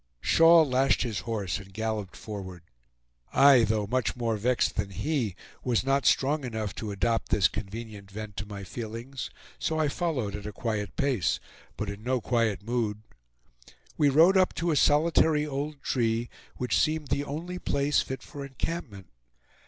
Shaw lashed his horse and galloped forward, I, though much more vexed than he, was not strong enough to adopt this convenient vent to my feelings; so I followed at a quiet pace, but in no quiet mood. We rode up to a solitary old tree, which seemed the only place fit for encampment.